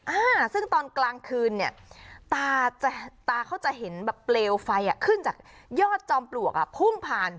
อ่าซึ่งตอนกลางคืนเนี่ยตาจะตาเขาจะเห็นแบบเปลวไฟอ่ะขึ้นจากยอดจอมปลวกอ่ะพุ่งผ่าน